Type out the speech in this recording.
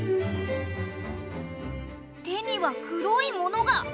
手には黒いものが！